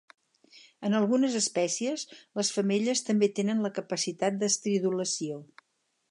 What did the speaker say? En algunes espècies, les femelles també tenen la capacitat d'estridulació.